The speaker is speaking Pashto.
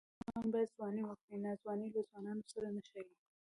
ځوان باید ځواني وکړي؛ ناځواني له ځوانانو سره نه ښايي.